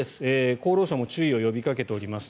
厚労省も注意を呼びかけています。